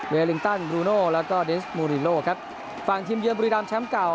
ลิงตันบรูโนแล้วก็ดิสมูริโลครับฝั่งทีมเยือนบุรีรามแชมป์เก่า